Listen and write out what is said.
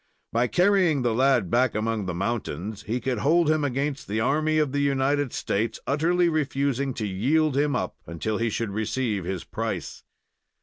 By carrying the lad back among the mountains, he could hold him against the army of the United States, utterly refusing to yield him up until he should receive his price.